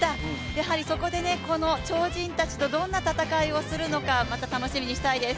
やはりそこでこの超人たちとどんな戦いをするのかまた楽しみにしたいです。